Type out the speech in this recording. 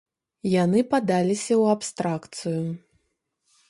Яны падаліся ў абстракцыю.